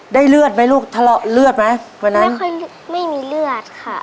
เลือดไหมลูกทะเลาะเลือดไหมวันนั้นไม่ค่อยไม่มีเลือดค่ะ